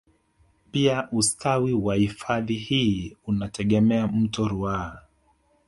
Pia ustawi wa hifadhi hii unategemea mto ruaha